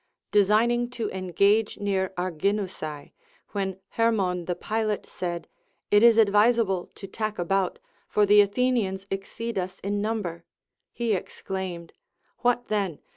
Designing to engage near Arginusae, when Hermon the pilot said, It is advisable to tack about, for the Athenians exceed us in number ; he ex claimed : AVhat then